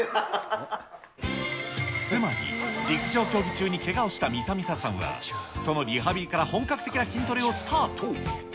つまり、陸上競技中にけがをしたみさみささんは、そのリハビリから本格的な筋トレをスタート。